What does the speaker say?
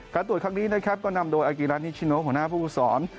การตรวจครั้งนี้ก็นำโดยอาคิรานิชิโนกหัวหน้าภูมิสอน